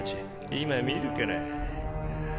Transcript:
今見るから。